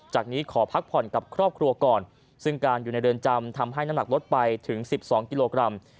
นี้ขอพักผ่อนกับครอบครัวก่อนซึ่งการอยู่ในเรือนจำทำให้น้ำหนักลดไปถึง๑๒กิโลกรัม